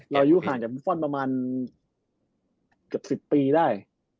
อายุห่างจากมิฟฟอลประมาณเกือบ๑๐ปีได้